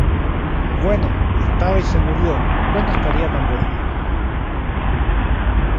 Bueno estaba y se murió. Pues no estaría tan bueno